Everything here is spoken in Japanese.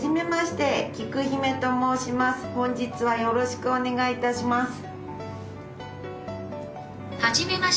本日はよろしくお願い致します。